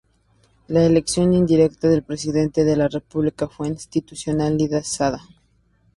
La elección indirecta del presidente de la República fue institucionalizada.